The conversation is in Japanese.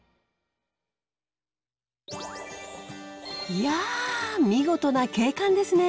いや見事な景観ですね。